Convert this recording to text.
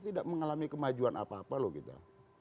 tidak mengalami kemajuan apa apa loh kita